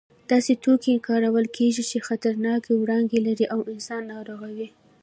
داسې توکي کارول کېږي چې خطرناکې وړانګې لري او انسان ناروغوي.